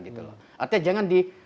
artinya jangan di